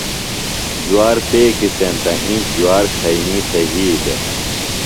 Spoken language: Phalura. جوار پیکیۡ سینتہ آ اِنڇ جُوار کھئینی تھےۡ یھی دےۡ۔